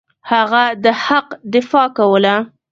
هغه د حق دفاع کوله.